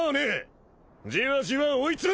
じわじわ追い詰めろ！